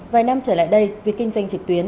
vài năm trở lại đây việc kinh doanh trực tuyến